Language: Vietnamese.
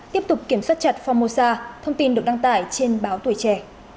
tiếp tục kiểm soát chặt phongmosa thông tin được đăng tải trên báo tuổi trẻ